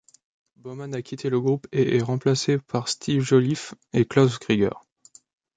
Baumann a quitté le groupe et est remplacé par Steve Joliffe et Klaus Krieger.